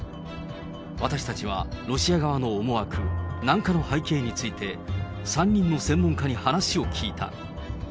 私たちはロシア側の思惑、軟化の背景について、３人の専門家に話を聞いた。